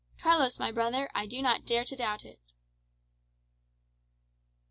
Carlos, my brother, I do not dare to doubt it."